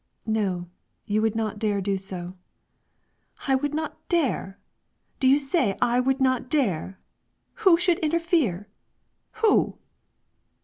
"No; you would not dare do so." "I would not dare? Do you say I would not dare? Who should interfere? Who?"